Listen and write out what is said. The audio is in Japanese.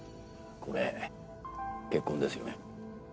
これ血痕ですよね？